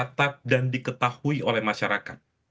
tetap dan diketahui oleh masyarakat